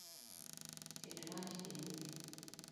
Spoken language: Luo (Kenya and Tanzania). Ket mach e yugi